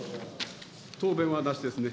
答弁はなしですね。